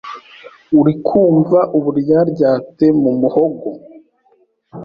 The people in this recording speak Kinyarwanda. urikumva Uburyaryate mu muhogo